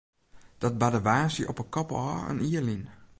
Dat barde woansdei op 'e kop ôf in jier lyn.